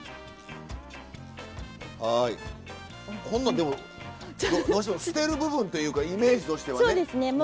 こんなんでもどうしても捨てる部分というかイメージとしてはね。